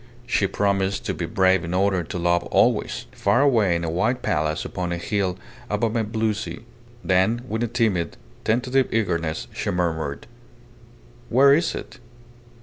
She promised to be brave in order to be loved always far away in a white palace upon a hill above a blue sea. Then with a timid, tentative eagerness she murmured "Where is it?